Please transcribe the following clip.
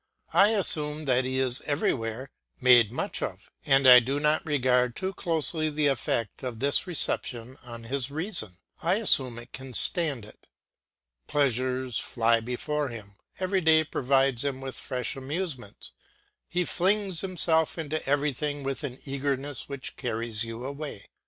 I assume that he is everywhere made much of, and I do not regard too closely the effect of this reception on his reason; I assume it can stand it. Pleasures fly before him, every day provides him with fresh amusements; he flings himself into everything with an eagerness which carries you away.